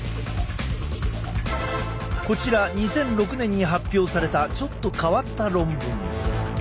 こちら２００６年に発表されたちょっと変わった論文。